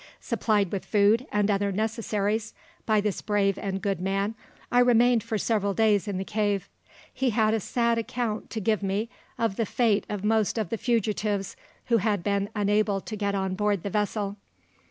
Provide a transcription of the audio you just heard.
"Supplied with food and other necessaries by this brave and good man, I remained for several days in the cave. He had a sad account to give me of the fate of most of the fugitives who had been unable to get on board the vessel.